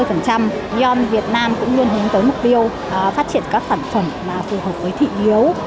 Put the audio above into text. e on việt nam cũng luôn hướng tới mục tiêu phát triển các phản phẩm phù hợp với thị yếu